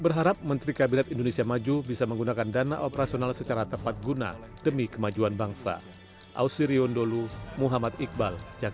berharap menteri kabinet indonesia maju bisa menggunakan dana operasional secara tepat guna demi kemajuan bangsa